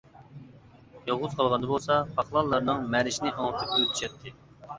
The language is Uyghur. يالغۇز قالغاندا بولسا پاقلانلارنىڭ مەرىشىنى ئاڭلىتىپ ئۆتۈشەتتى.